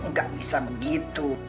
nggak bisa begitu